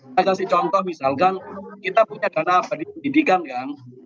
saya kasih contoh misalkan kita punya dana pendidikan kan